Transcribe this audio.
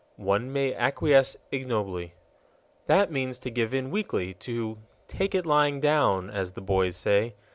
One may acquiesce ignobly._ That means to give in weakly, to "take it lying down," as the boys say.